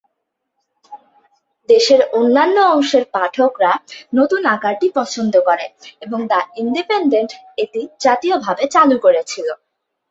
দেশের অন্যান্য অংশের পাঠকরা নতুন আকারটি পছন্দ করে এবং "দ্য ইন্ডিপেন্ডেন্ট" এটি জাতীয়ভাবে চালু করেছিল।